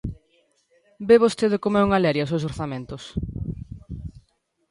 ¿Ve vostede como é unha leria os seus orzamentos?